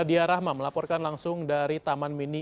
meladiya rahma melaporkan langsung dari taman mirjana